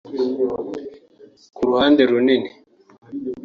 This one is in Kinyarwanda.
[…] Ku ruhande runini